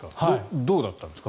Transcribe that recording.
どうだったんですか